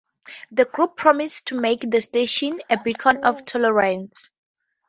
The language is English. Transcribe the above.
The group promised to make the station a beacon of tolerance.